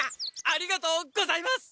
ありがとうございます！